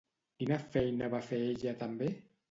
Quina feina va fer ella també?